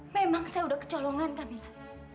memang saya udah kecolongan kamila